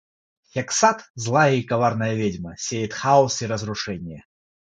Хексат, злая и коварная ведьма, сеет хаос и разрушение.